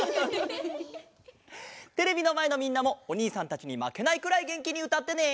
テレビのまえのみんなもおにいさんたちにまけないくらいげんきにうたってね！